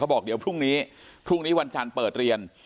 บอกเดี๋ยวพรุ่งนี้พรุ่งนี้วันจันทร์เปิดเรียน